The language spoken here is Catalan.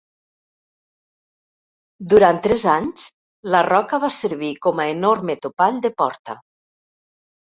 Durant tres anys, la roca va servir com a enorme topall de porta.